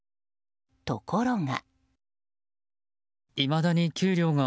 ところが。